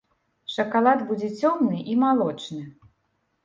Шакалад будзе цёмны і малочны.